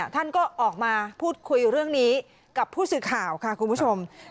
ท่านก็ออกมาพูดคุยเรื่องนี้กับผู้สื่อข่าวค่ะคุณผู้ชม